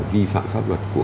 vi phạm pháp luật của